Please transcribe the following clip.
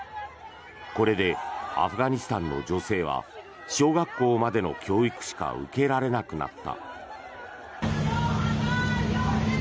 これでアフガニスタンの女性は小学校までの教育しか受けられなくなった。